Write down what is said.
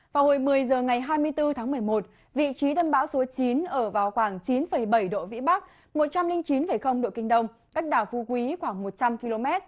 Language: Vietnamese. vào hồi một mươi h ngày hai mươi bốn tháng một mươi một vị trí tâm bão số chín ở vào khoảng chín bảy độ vĩ bắc một trăm linh chín độ kinh đông cách đảo phu quý khoảng một trăm linh km